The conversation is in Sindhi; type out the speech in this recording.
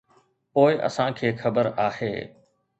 پوء اسان کي خبر آهي.